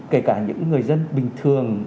kể cả những người dân bình thường